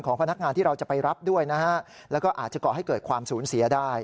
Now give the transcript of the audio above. ของพนักงานที่เราจะไปรับด้วยนะฮะแล้วก็อาจจะก่อให้